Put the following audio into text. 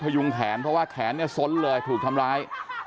ยุงแขนเพราะว่าแขนเนี่ยส้นเลยถูกทำร้าย